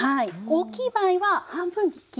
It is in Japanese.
大きい場合は半分に切って。